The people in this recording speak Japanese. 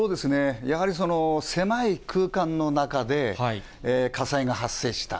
やはり、狭い空間の中で、火災が発生した。